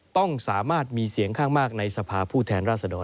ต้องสามารถมีเสียงข้างมากในสภาผู้แทนราษฎร